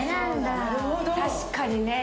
確かにね。